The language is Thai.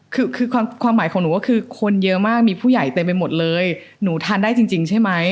พูดคุณแจ๋วเยอะมากมีผู้ใหญ่เต็มไปหมดเลยหนูทานได้จริงใช่มั้ย